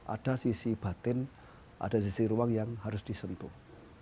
ada sisi batin ada sisi ruang yang harus disentuh